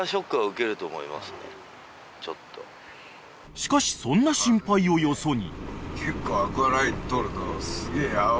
［しかしそんな心配をよそに］